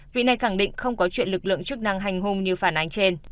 vị này khẳng định không có chuyện lực lượng chức năng hành hung như phản ánh trên